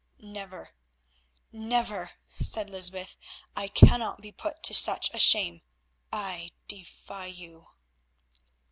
"Never, never," said Lysbeth, "I cannot be put to such a shame. I defy you."